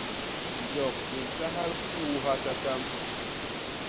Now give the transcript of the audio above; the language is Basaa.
Njok i ñkahal puuha tatam.